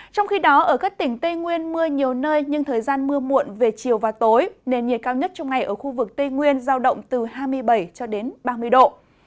trong khi đó ở các tỉnh tây nguyên mưa nhiều nơi nhưng thời gian mưa muộn về chiều và tối nền nhiệt cao nhất trong ngày ở khu vực tây nguyên giao động từ hai mươi bảy cho đến ba mươi độ